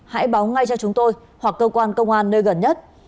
hãy báo ngay cho chúng tôi hoặc cơ quan công an nơi gần nhất